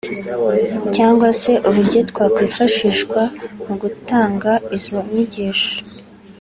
cyangwa se uburyo bwakwifashishwa mu gutanga izo nyigisho